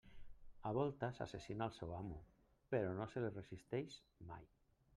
A voltes assassina el seu amo, però no se li resisteix mai.